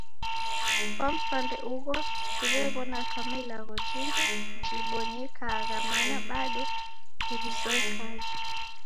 Kwa mpande ugho siwewona kama ilagho jingi jibonyekagha mana bado ndewizoe kazi